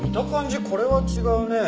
これは違うね。